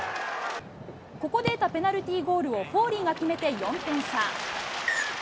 ここで得たペナルティーゴールをフォーリーが決めて、４点差。